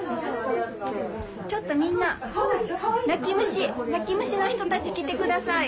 ちょっとみんな泣き虫の人たち来て下さい。